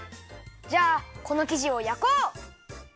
じゃあこのきじをやこう！